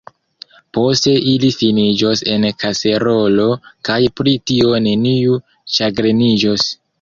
Poste ili finiĝos en kaserolo, kaj pri tio neniu ĉagreniĝos.